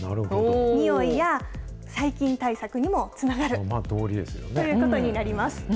臭いや細菌対策にもつながるということになります。